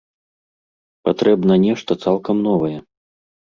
Патрэбна нешта цалкам новае.